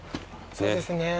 そうですね。